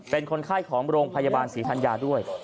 เป็นคนไข้ของโรงพยาบาลศรีธัญญาด้วย